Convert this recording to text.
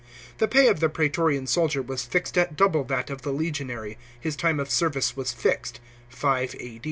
The pay of the piaetorian soldier was fixed at double that of the legionary, his rime of service was fixed (5 A.